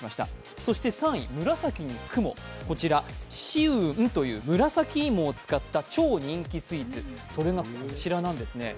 そして３位、紫の雲、こちら紫雲という紫芋を使った超人気スイーツ、それがこちらなんですね。